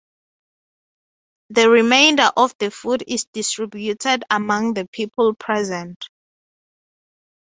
The remainder of the food is distributed among the people present.